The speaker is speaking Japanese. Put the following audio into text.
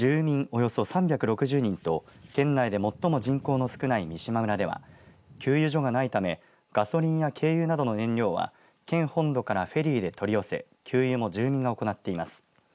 およそ３６０人と県内で最も人口の少ない三島村では給油所がないためガソリンや軽油などの燃料は県本土からフェリーで取り寄せ給油も住民が行っています。